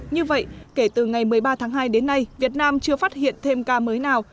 như vậy kể từ ngày một mươi ba tháng hai đến nay việt nam chưa phát hiện thêm ca mới nào